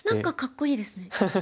何かかっこいいですね。